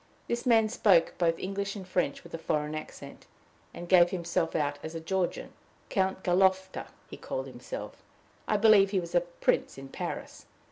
This man spoke both English and French with a foreign accent, and gave himself out as a Georgian Count Galofta, he called himself: I believe he was a prince in Paris.